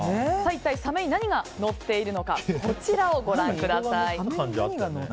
一体サメに何が乗っているのかこちらをご覧ください。